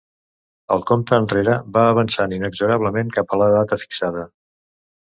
El compte enrere va avançant inexorablement cap a la data fixada.